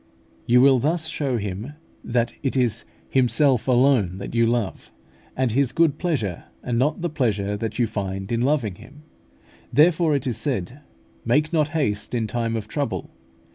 You will thus show Him that it is Himself alone that you love, and His good pleasure, and not the pleasure that you find in loving Him. Therefore it is said, "Make not haste in time of trouble.